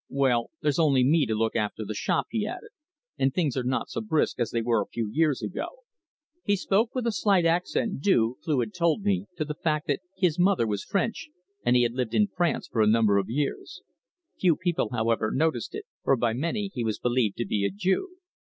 "Well, there's only me to look after the shop," he added. "And things are not so brisk as they were a few years ago." He spoke with a slight accent, due, Cleugh had told me, to the fact that his mother was French, and he had lived in France a number of years. Few people, however, noticed it, for by many he was believed to be a Jew.